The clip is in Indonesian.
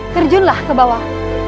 terjunlah ke bawah